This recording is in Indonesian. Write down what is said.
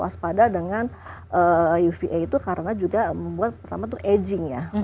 harus waspada dengan uva itu karena juga membuat aging ya